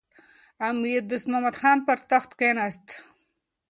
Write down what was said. امیر دوست محمد خان پر تخت کښېناست.